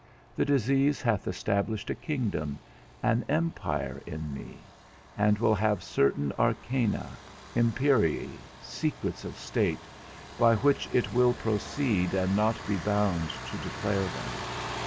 The disease hath established a kingdom, an empire in me, and will have certain arcana imperii, secrets of state, by which it will proceed and not be bound to declare them.